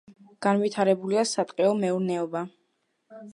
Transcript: განვითარებულია სატყეო მეურნეობა.